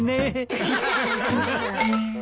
ハハハハ。